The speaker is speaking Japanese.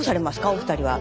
お二人は。